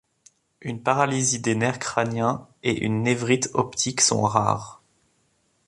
Une paralysie des nerfs crâniens et une névrite optique sont rares.